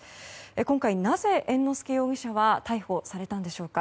今回、なぜ猿之助容疑者は逮捕されたのでしょうか。